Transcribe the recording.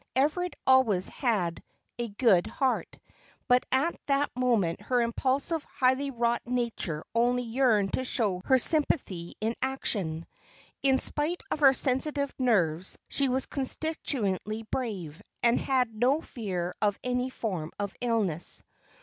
Everard always had a good heart; but at that moment her impulsive, highly wrought nature only yearned to show her sympathy in action. In spite of her sensitive nerves, she was constitutionally brave, and had no fear of any form of illness.